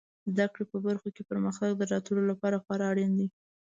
زده کړې په برخو کې پرمختګ د راتلونکي لپاره خورا اړین دی.